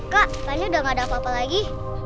kak makanya udah enggak ada apa apa lagi